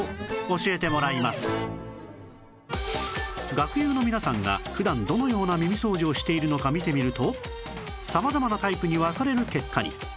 学友の皆さんが普段どのような耳掃除をしているのか見てみると様々なタイプに分かれる結果に